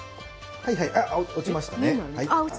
はい、落ちましたね。